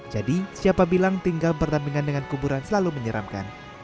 jadi siapa bilang tinggal berdampingan dengan kuburan selalu menyeramkan